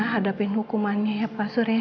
hadapin hukumannya ya pak surya